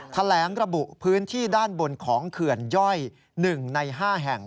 แถลงระบุพื้นที่ด้านบนของเขื่อนย่อย๑ใน๕แห่ง